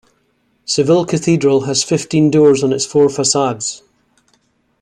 Seville Cathedral has fifteen doors on its four facades.